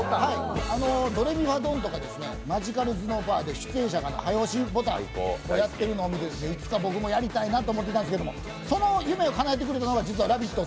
「ドレミファドン！」とか「マジカル頭脳パワー！！」で出演者が早押しボタンをやってるのを見ていつか僕もやりたいなと思ってその夢をかなえてくれたのが実は「ラヴィット！」